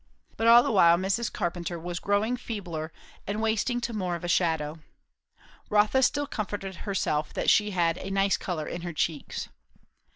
But all the while Mrs. Carpenter was growing feebler and wasting to more of a shadow. Rotha still comforted herself that she had "a nice colour in her cheeks."